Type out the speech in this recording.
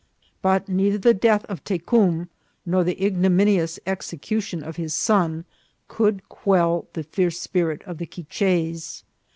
But neither the death of Te cum nor the ignominious execution of his son could quell the fierce spirit of the Quiches.